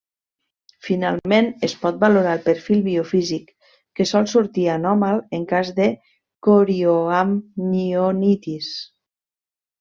Finalment, es pot valorar el perfil biofísic que sol sortir anòmal en cas de corioamnionitis.